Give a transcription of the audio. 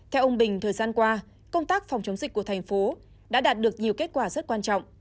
theo ông bình thời gian qua công tác phòng chống dịch của thành phố đã đạt được nhiều kết quả rất quan trọng